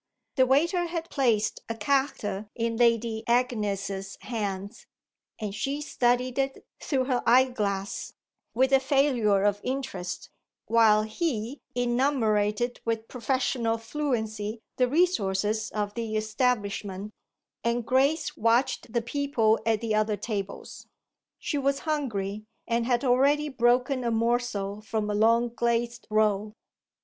The waiter had placed a carte in Lady Agnes's hands and she studied it, through her eye glass, with a failure of interest, while he enumerated with professional fluency the resources of the establishment and Grace watched the people at the other tables. She was hungry and had already broken a morsel from a long glazed roll.